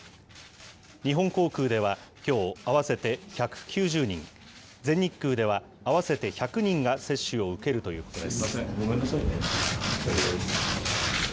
日本航空ではきょう合わせて１９０人、全日空では合わせて１００人が接種を受けるということです。